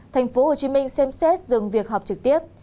thành phố hồ chí minh xem xét dừng việc học trực tiếp